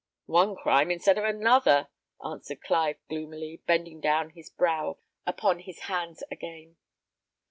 "One crime instead of another!" answered Clive, gloomily, bending down his brow upon his hands again.